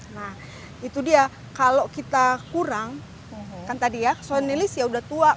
nah itu dia kalau kita kurang kan tadi ya soal nelis ya udah tua